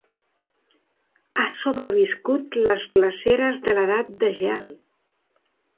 Ha sobreviscut les glaceres de l'edat de gel.